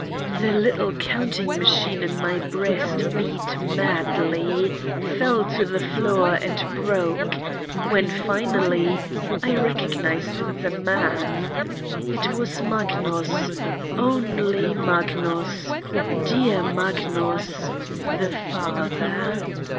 The little counting machine in my breast beat madly, fell to the floor and broke, when, finally, I recognized the man it was Mag 208 Satan's Diary nus, only Magnus, dear Magnus, the father.